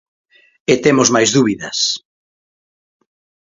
E temos máis dúbidas...